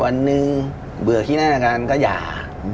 วันหนึ่งเบื่อขี้หน้ากันก็หย่า